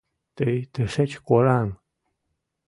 Тый тышеч кораҥ!..